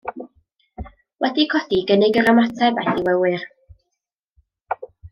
Wedi codi i gynnig yr ymateb aeth i wewyr.